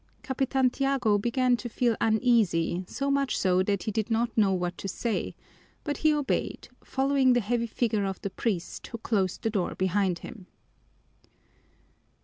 Capitan Tiago began to feel uneasy, so much so that he did not know what to say; but he obeyed, following the heavy figure of the priest, who closed the door behind him.